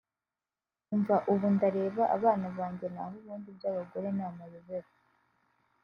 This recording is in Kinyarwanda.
umva ubu ndareba abana banjye naho ubundi ibyabagore namayobera